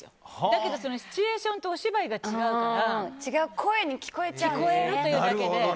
だけど、シチュエーションとお芝居が違うから違う声に聞こえるというだけで。